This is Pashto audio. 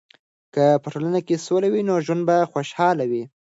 که په ټولنه کې سوله وي، نو ژوند به خوشحاله وي.